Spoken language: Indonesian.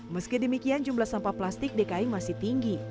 meski demikian jumlah sampah plastik dki masih tinggi